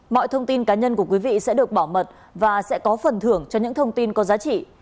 mọi thông tin cá nhân của quý vị sẽ được bảo mật và sẽ có phần thưởng cho những thông tin có giá trị